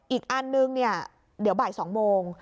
อีกอันนึงเนี่ยเดี๋ยวบ่าย๒โมง